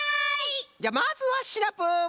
じゃあまずはシナプー！